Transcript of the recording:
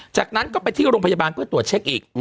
จากนั้นก็ไปที่โรงพยาบาลเพื่อตรวจเช็คอีก